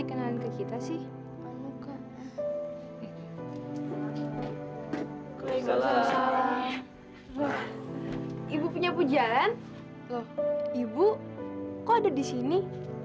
ibu kok ada disini